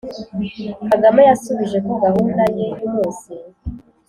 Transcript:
kagame yasubije ko gahunda ye y’umunsi